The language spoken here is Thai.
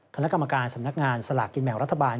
คณะกรรมการสำนักงานสลากกินแบ่งรัฐบาล